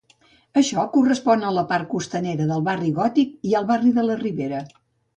Això correspon a la part costanera del Barri Gòtic i al barri de la Ribera.